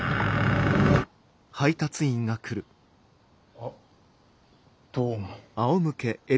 あどうも。